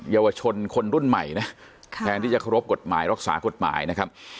เยาวชนคนรุ่นใหม่นะแทนที่จะเคารพกฎหมายรักษากฎหมายนะครับ